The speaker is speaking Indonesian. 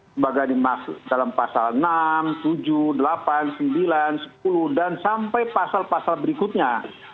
sebagai dimaksud dalam pasal enam tujuh delapan sembilan sepuluh dan sampai pasal pasal berikutnya